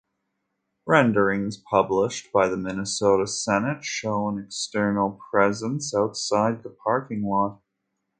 Renderings published by the Minnesota Senate show an external presence outside the parking lot.